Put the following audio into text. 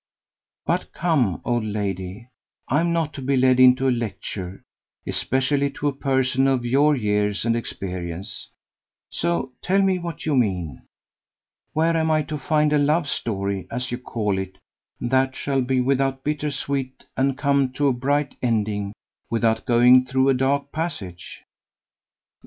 But come, old lady, I am not to be led into a lecture, especially to a person of your years and experience, so tell me what you mean, where am I to find 'a love story,' as you call it, that shall be without bitter sweet, and come to a bright ending without going through a dark passage?"